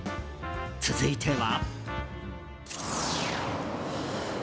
続いては。